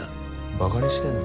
ばかにしてんの？